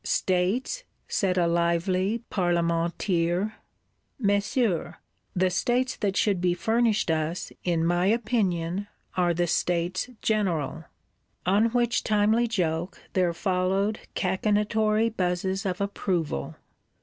'States?' said a lively Parlementeer: 'Messieurs, the states that should be furnished us, in my opinion are the STATES GENERAL.' On which timely joke there follow cachinnatory buzzes of approval.